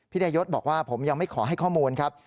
นายยศบอกว่าผมยังไม่ขอให้ข้อมูลครับ